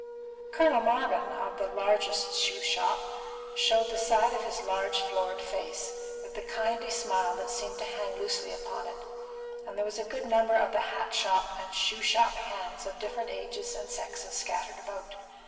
Colonel Marvin, of the largest shoe shop, showed the side of his large florid face, with the kindly smile that seemed to hang loosely upon it; and there was a good number of the hat shop and shoe shop hands of different ages and sexes scattered about.